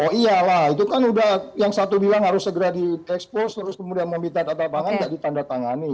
oh iya lah itu kan udah yang satu bilang harus segera di expose terus kemudian meminta data pangan tidak ditanda tangani